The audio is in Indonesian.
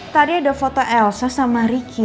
tadi ada foto elsa sama ricky